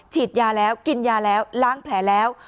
ฉีดยาแล้วกินยาแล้วล้างแผลแล้ว